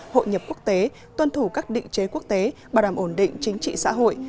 hội nhập quốc tế tuân thủ các định chế quốc tế bảo đảm ổn định chính trị xã hội